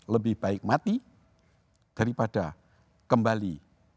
lebih baik mati daripada kembali